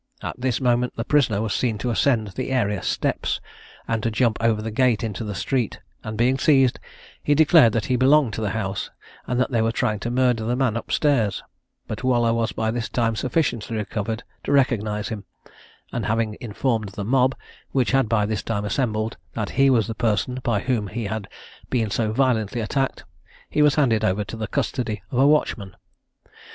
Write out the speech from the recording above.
At this moment the prisoner was seen to ascend the area steps, and to jump over the gate into the street, and being seized, he declared that he belonged to the house, and that they were trying to murder the man up stairs; but Waller was by this time sufficiently recovered to recognise him, and having informed the mob, which had by this time assembled, that he was the person by whom he had been so violently attacked, he was handed over to the custody of a watchman.